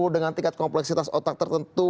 dengan tingkat kompleksitas otak tertentu